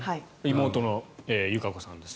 妹の友香子さんです。